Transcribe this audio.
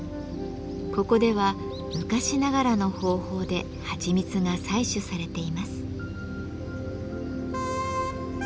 ここでは昔ながらの方法ではちみつが採取されています。